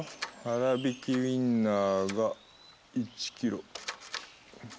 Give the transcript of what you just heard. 粗びきウインナーが１キロ。